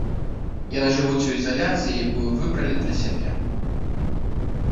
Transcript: Яны жывуць у ізаляцыі, якую выбралі для сябе.